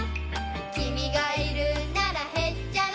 「君がいるならへっちゃらさ」